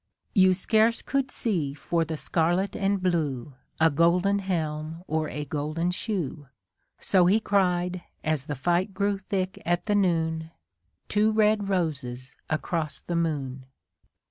You scarce could see for the scarlet and blue, A golden helm or a golden shoe ; So he cried, as the fight grew thick at the noon. Two red roses across the moon